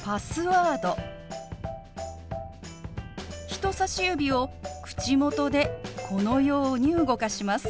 人さし指を口元でこのように動かします。